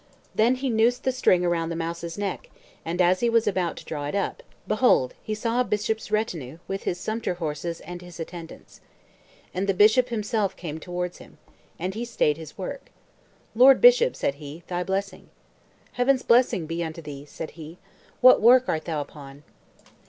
Then he noosed the string around the mouse's neck, and as he was about to draw it up, behold, he saw a bishop's retinue, with his sumpter horses and his attendants. And the bishop himself came towards him. And he stayed his work. "Lord Bishop," said he, "thy blessing." "Heaven's blessing be unto thee!" said he. "What work art thou upon?"